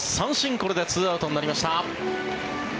これで２アウトになりました。